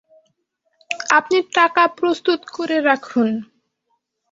আপনি টাকা প্রস্তুত করে রাখুন।